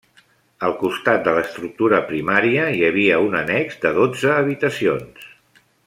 Al costat de l'estructura primària hi havia un annex de dotze habitacions.